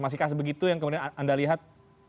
masihkah sebegitu yang kemudian anda lihat